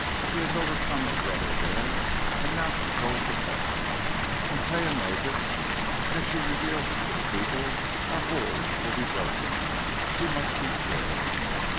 He has overcome our brother there, and now controls the levers! And Taia knows it; and if she reveals it to the people our hold will be broken! She must be killed!"